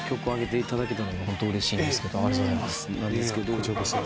こちらこそ。